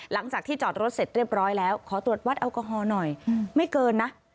หลังจากที่จอดรถเสร็จเรียบร้อยแล้วขอตรวจวัดแอลกอฮอล์หน่อยไม่เกินนะ